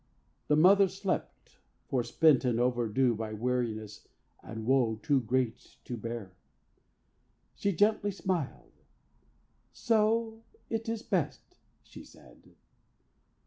The mother slept, forspent and overborne By weariness and woe too great to bear. She gently smiled. "So it is best," she said.